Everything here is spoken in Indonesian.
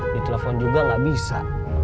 ditelepon juga gak bisa